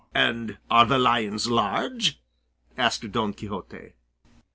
"And are the lions large?" asked Don Quixote.